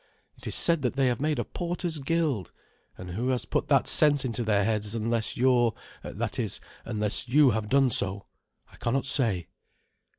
It is said that they have made a porters' guild; and who has put that sense into their heads unless your that is, unless you have done so, I cannot say."